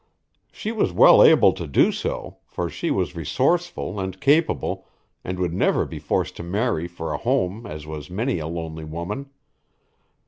She was well able to do so, for she was resourceful and capable and would never be forced to marry for a home as was many a lonely woman.